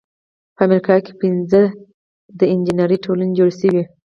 په امریکا کې پنځه د انجینری ټولنې جوړې شوې.